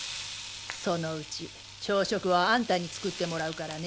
そのうち朝食はあんたに作ってもらうからね。